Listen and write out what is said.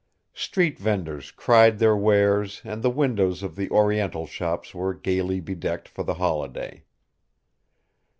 Street venders cried their wares and the windows of the Oriental shops were gaily bedecked for the holiday.